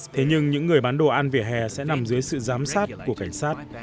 thế nhưng những người bán đồ ăn vỉa hè sẽ nằm dưới sự giám sát của cảnh sát